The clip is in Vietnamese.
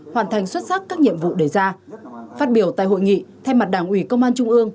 hoàn thành xuất sắc các nhiệm vụ đề ra phát biểu tại hội nghị thay mặt đảng ủy công an trung ương